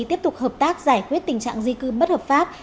tiếp tục hợp tác giải quyết tình trạng di cư bất hợp pháp